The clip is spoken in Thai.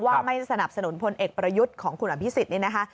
ว่าไม่สนับสนุนพลเอกประยุทธ์ของคุณหลับพิสิทธิ์นี่นะคะ